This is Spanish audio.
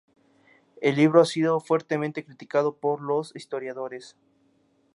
El libro ha sido fuertemente criticado por los historiadores.